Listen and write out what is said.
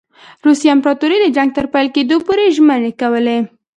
روسي امپراطوري د جنګ تر پیل کېدلو پوري ژمنې کولې.